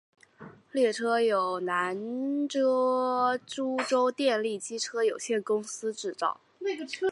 列车由南车株洲电力机车有限公司制造。